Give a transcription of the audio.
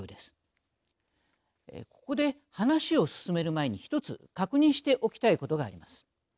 ここで話を進める前に１つ確認しておきたいことがあります。